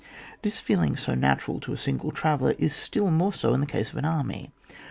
This feeling so natural to a single traveller is still more so in the case of an army.